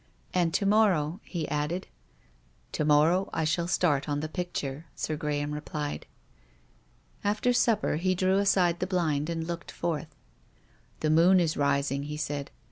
"And to morrow," he added. "To morrow I shall start on the picture," Sir Graham replied. After supper he drew aside the blind and looked forth. " The moon is rising," he said.